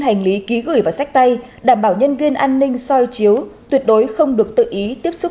hành lý ký gửi vào sách tay đảm bảo nhân viên an ninh soi chiếu tuyệt đối không được tự ý tiếp xúc